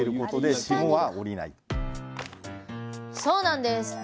そうなんです！